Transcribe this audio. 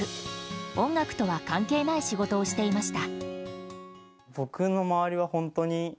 音楽とは関係ない仕事をしていました。